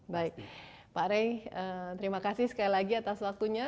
baik pak rey terima kasih sekali lagi atas waktunya